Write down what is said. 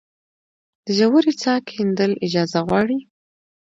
د ژورې څاه کیندل اجازه غواړي؟